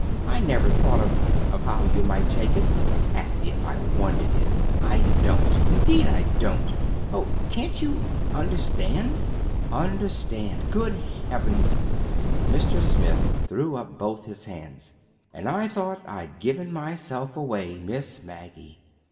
I never thought of—of how you might take it—as if I wanted it. I don't. Indeed, I don't! Oh, can't you—understand?" "Understand! Good Heavens!" Mr. Smith threw up both his hands. "And I thought I'd given myself away! Miss Maggie."